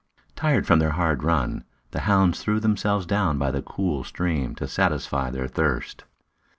Tired from their hard run, the hounds threw themselves down by the cool stream to satisfy their thirst.